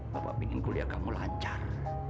bapak ingin kuliah kamu lancar